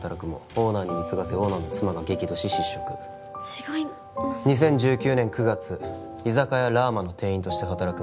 「オーナーに貢がせオーナーの妻が激怒し失職」違います「２０１９年９月」「居酒屋ラーマの店員として働くも」